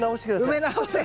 埋め直せ！